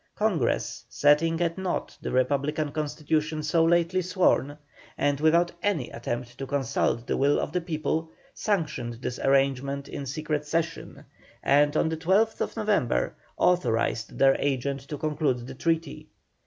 Congress, setting at naught the Republican constitution so lately sworn, and without any attempt to consult the will of the people, sanctioned this arrangement in secret session, and on the 12th November authorised their agent to conclude the treaty.